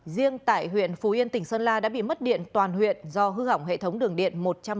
riêng tại huyện phú yên tỉnh sơn la đã bị mất điện toàn huyện do hư hỏng hệ thống đường điện một trăm một mươi